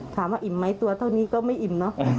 ถามว่าอิ่มไหมตัวเท่านี้ก็ไม่อิ่มเนอะ